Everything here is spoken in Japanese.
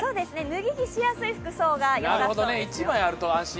脱ぎ着しやすい服装がよさそうです。